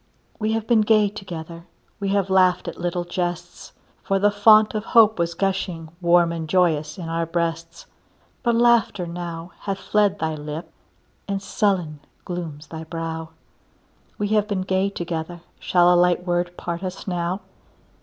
We have been gay together; We have laughed at little jests; For the fount of hope was gushing Warm and joyous in our breasts, But laughter now hath fled thy lip, And sullen glooms thy brow; We have been gay together, Shall a light word part us now?